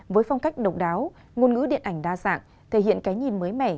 với phong cách độc đáo ngôn ngữ điện ảnh đa dạng thể hiện cái nhìn mới mẻ